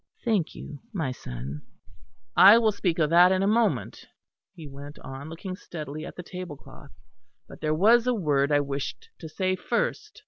"Thank you, my son." "I will speak of that in a moment," he went on, looking steadily at the table cloth; "but there was a word I wished to say first.